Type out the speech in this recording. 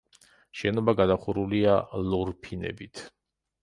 შენობა გადახურულია ლორფინებით.